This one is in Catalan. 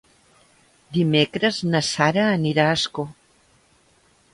Dimecres na Sara anirà a Ascó.